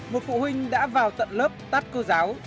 một phụ huynh đã vào tận lớp tát cô giáo